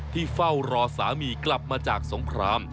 เฝ้ารอสามีกลับมาจากสงคราม